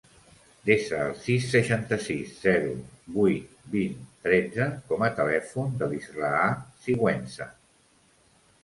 Desa el sis, seixanta-sis, zero, vuit, vint, tretze com a telèfon de l'Israa Siguenza.